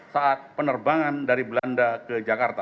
saat penerbangan dari belanda ke jakarta